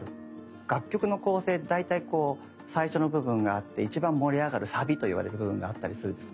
楽曲の構成って大体こう最初の部分があって一番盛り上がるサビと言われる部分があったりするんですね。